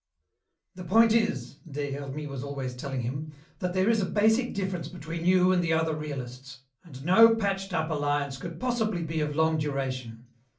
"The point is," Des Hermies was always telling him, "that there is a basic difference between you and the other realists, and no patched up alliance could possibly be of long duration.